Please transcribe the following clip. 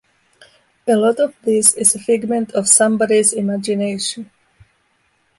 A lot of this is a figment of somebody's imagination.